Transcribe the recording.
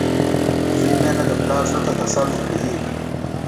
• د زوی مینه د پلار زړۀ ته تسل ورکوي.